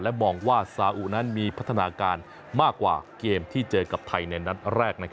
มองว่าซาอุนั้นมีพัฒนาการมากกว่าเกมที่เจอกับไทยในนัดแรก